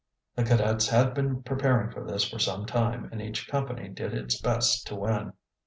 The cadets had been preparing for this for some time and each company did its best to win.